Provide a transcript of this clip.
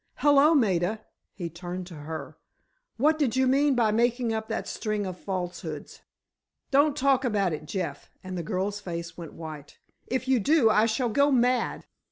"Hello, Maida," he turned to her. "What did you mean by making up that string of falsehoods?" "Don't talk about it, Jeff," and the girl's face went white. "If you do, I shall go mad!"